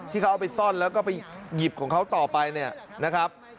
ที่เขาเอาไปซ่อนแล้วก็ไปหยิบของเขาต่อไปเนี่ยนะครับ